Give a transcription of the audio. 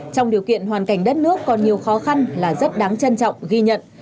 trong điều kiện hoàn cảnh đất nước còn nhiều khó khăn là rất đáng trân trọng ghi nhận